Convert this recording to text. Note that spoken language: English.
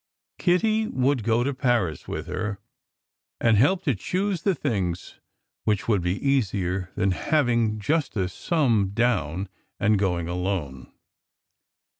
Kitty would go to Paris with her, and help to choose the things, which would be nicer than having just a sum down, and going alone.